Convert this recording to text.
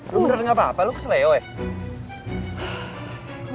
lo beneran gapapa lo kesel ya